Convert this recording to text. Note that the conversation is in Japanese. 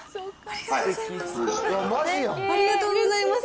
ありがとうございます。